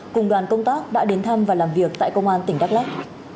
cùng đoàn công tác đã đến thăm và làm việc tại công an tỉnh đắk lắc